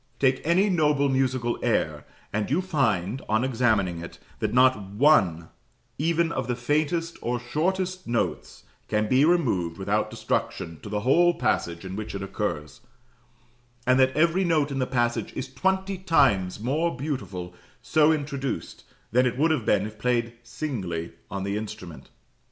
Take any noble musical air, and you find, on examining it, that not one even of the faintest or shortest notes can be removed without destruction to the whole passage in which it occurs; and that every note in the passage is twenty times more beautiful so introduced, than it would have been if played singly on the instrument.